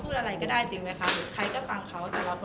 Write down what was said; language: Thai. เพราะว่าเราสร้างเรื่องแต่งเรื่องที่เราอยากให้สังคมอย่าไปเชื่อในคุกนี้